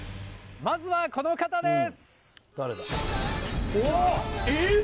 まずはこの方です。